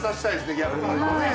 逆に。